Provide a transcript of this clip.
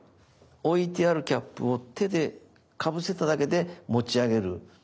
置いてあるキャップを手でかぶせただけで持ち上げる。